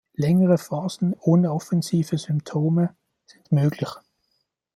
Längere Phasen ohne offensive Symptome sind möglich.